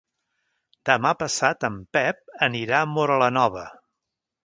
Demà passat en Pep anirà a Móra la Nova.